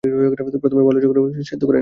প্রথমে মোচা ভালো করে সেদ্ধ করে নিন।